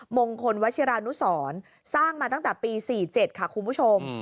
มงคลวัชิรานุสรสร้างมาตั้งแต่ปี๔๗ค่ะคุณผู้ชม